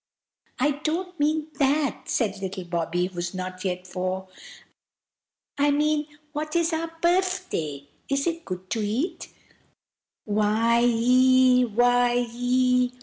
"I don't mean that!" said little Bobby, who was not yet four. "I mean, what is our birfday? Is it good to eat?" "Why! why ee!